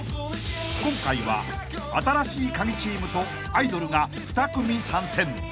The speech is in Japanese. ［今回は新しいカギチームとアイドルが２組参戦］